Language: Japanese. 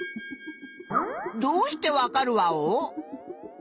どうして分かるワオ？